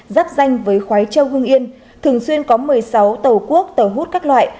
giáp danh với khói châu hương yên thường xuyên có một mươi sáu tàu quốc tàu hút các loại